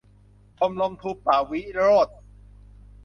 ชมรมธูปะวิโรจน์